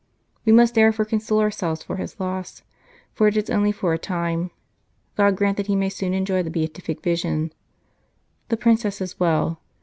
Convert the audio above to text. We must therefore console ourselves for his loss, for it is only for a time. God grant that he may soon enjoy the Beatific Vision ! The Princess is well.